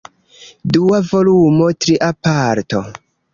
Dua volumo, Tria Parto.